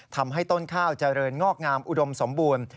ทำให้ต้นข้าวเจริญงอกงามอุดมสมบูรณ์